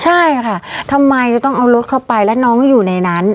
ใช่ค่ะทำไมจะต้องเอารถเข้าไปแล้วน้องอยู่ในนั้น